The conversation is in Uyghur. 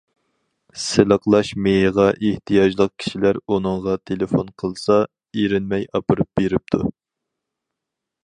سىلىقلاش مېيىغا ئېھتىياجلىق كىشىلەر ئۇنىڭغا تېلېفون قىلسا، ئېرىنمەي ئاپىرىپ بېرىپتۇ.